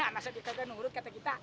masa dikaget nurut kata kita